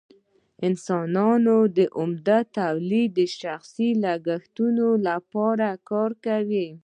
انسانانو عمده تولید د شخصي لګښت لپاره کاوه.